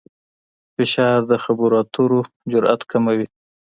فشار د خبرو اترو جرئت کموي.